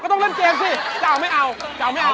ก็ต้องเล่นเจมส์สิจะเอาไหมเอา